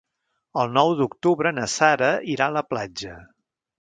El nou d'octubre na Sara irà a la platja.